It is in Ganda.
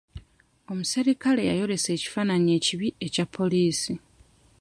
Omuserikale yayolesa ekifaananyi ekibi ekya poliisi.